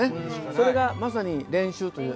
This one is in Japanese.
それがまさに練習というやつですね。